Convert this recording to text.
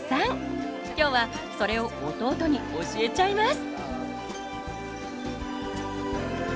今日はそれを弟に教えちゃいます。